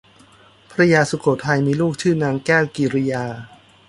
พระยาสุโขทัยมีลูกชื่อนางแก้วกิริยา